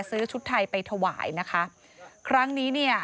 ชุดไทยไปถวายนะคะครั้งนี้เนี่ย